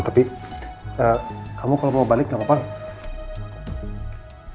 tapi kamu kalau mau balik gak apa apa